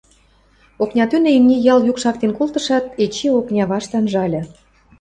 Окня тӱнӹ имни ял юк шактен колтышат, эче окня вашт анжальы.